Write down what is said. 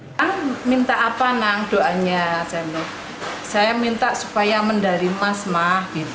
saya minta apa doanya saya minta supaya mendarimah semangat